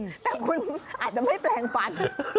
ก็คงคุณอาจจะมีแปลงฟัน